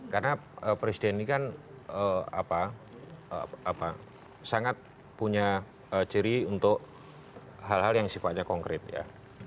karena presiden ini kan sangat punya ciri untuk hal hal yang sifatnya konkret ya